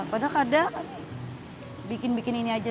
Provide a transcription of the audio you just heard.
padahal kadang bikin bikin ini aja